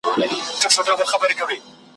مور او پلار چي زاړه سي تر شکرو لا خواږه سي `